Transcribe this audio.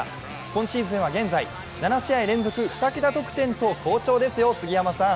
今シーズンは現在、７試合連続２桁得点と好調ですよ、杉山さん。